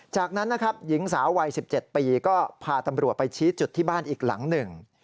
จากนั้นนะครับหญิงสาววัย๑๗ปีก็พาตำรวจไปชี้จุดที่บ้านอีกหลังหนึ่ง